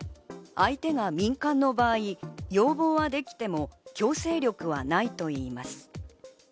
相手が民間の場合、要望はできても強制力はないといいます。